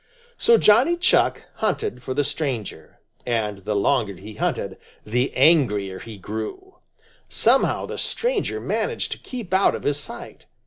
So Johnny Chuck hunted for the stranger, and the longer he hunted the angrier he grew. Somehow the stranger managed to keep out of his sight.